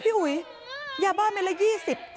พี่อุ๋ยยาบ้ามันละยี้สิบ